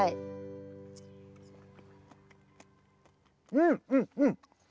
うんうんうん。